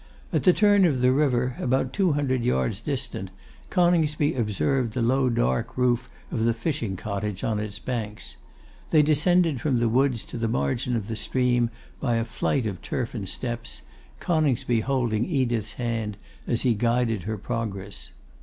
At the turn of the river, about two hundred yards distant, Coningsby observed the low, dark roof of the fishing cottage on its banks. They descended from the woods to the margin of the stream by a flight of turfen steps, Coningsby holding Edith's hand as he guided her progress.